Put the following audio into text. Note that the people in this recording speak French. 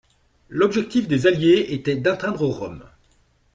L'objectif des Alliés était d'atteindre Rome.